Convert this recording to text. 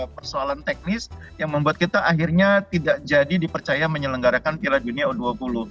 persoalan teknis yang membuat kita akhirnya tidak jadi dipercaya menyelenggarakan piala dunia u dua puluh